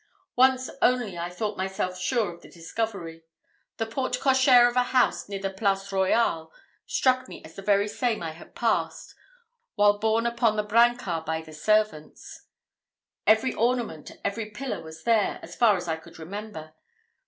Once only I thought myself sure of the discovery. The porte cochère of a house near the Place Royale struck me as the very same I had passed, while borne upon the brancard by the servants. Every ornament, every pillar was there, as far as I could remember.